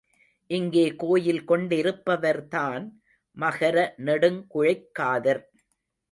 இங்கே கோயில் கொண்டிருப்பவர்தான் மகர நெடுங்குழைக்காதர்.